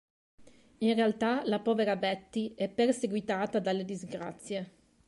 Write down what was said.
In realtà, la povera Betty è perseguitata dalle disgrazie.